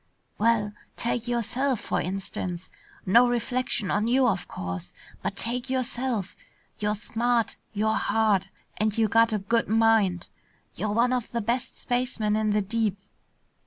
"Well, take yourself, for instance. No reflection on you, of course, but take yourself. You're smart, you're hard, and you got a good mind. You're one of the best spacemen in the deep.